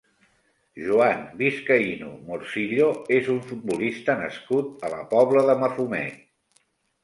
Joan Vizcaíno Morcillo és un futbolista nascut a la Pobla de Mafumet.